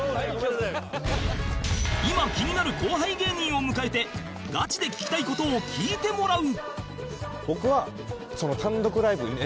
今気になる後輩芸人を迎えてガチで聞きたい事を聞いてもらう